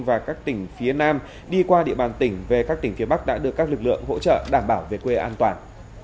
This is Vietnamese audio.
và các tỉnh phía nam đi qua địa bàn tỉnh về các tỉnh phía bắc đã được các lực lượng hỗ trợ đảm bảo về quê an toàn